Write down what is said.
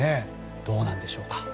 どうなんでしょうか？